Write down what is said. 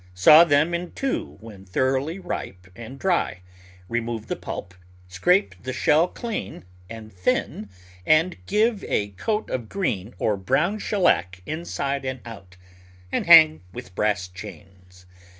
Saw them in two when thoroughly ripe and dry, remove the pulp, scrape the shell clean and thin and give a coat of green or brown shellac inside and out, and hang with brass chains.